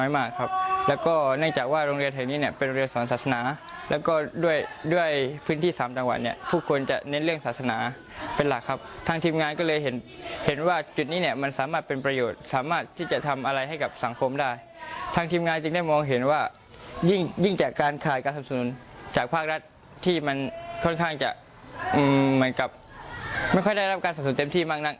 ไม่ค่อยได้รับการสนับสนุนเต็มที่บ้าง